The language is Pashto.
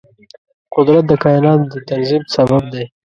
قدرت د کایناتو د تنظیم سبب دی.